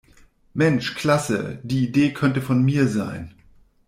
Mensch klasse, die Idee könnte von mir sein!